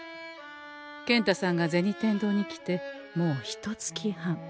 健太さんが銭天堂に来てもうひとつき半。